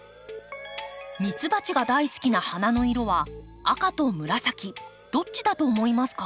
ミツバチが大好きな花の色は赤と紫どっちだと思いますか？